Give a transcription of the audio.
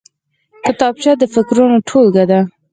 کتابچه د فکرونو ټولګه ده